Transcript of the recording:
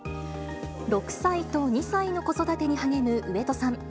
６歳と２歳の子育てに励む上戸さん。